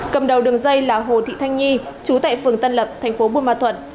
cầm đầu đường dây là hồ thị thanh nhi chú tệ phường tân lập tp buôn ma thuật